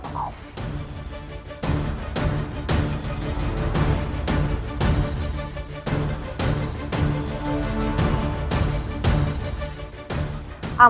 tidak ada yang bisa kubilang